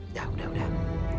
udah udah udah